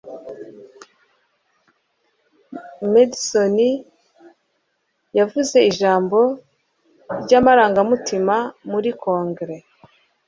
Madison yavuze ijambo ryamarangamutima muri Kongere.